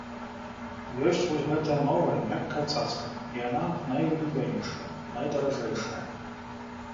Ёсць вось гэтая новая мяккая цацка і яна найулюбёнейшая, найдаражэйшая.